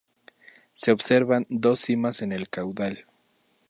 Se observan dos cimas en el caudal.